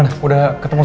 ini selama dua bulan